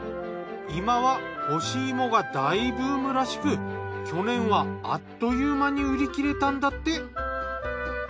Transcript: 今は干し芋が大ブームらしく去年はあっという間に売り切れたんだって。